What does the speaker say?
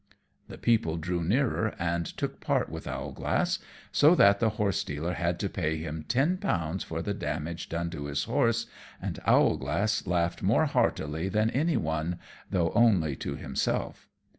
The people drew nearer and took part with Owlglass, so that the Horse dealer had to pay him ten pounds for the damage done to his horse, and Owlglass laughed more heartily than any one, though only to himself.